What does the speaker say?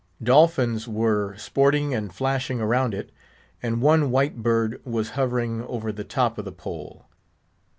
Dolphins were sporting and flashing around it, and one white bird was hovering over the top of the pole.